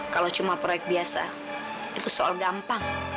kalau cuma proyek biasa itu soal gampang